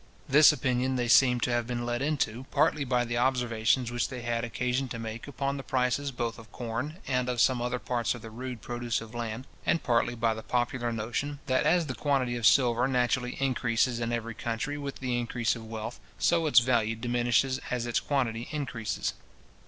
This opinion they seem to have been led into, partly by the observations which they had occasion to make upon the prices both of corn and of some other parts of the rude produce of land, and partly by the popular notion, that as the quantity of silver naturally increases in every country with the increase of wealth, so its value diminishes as it quantity increases.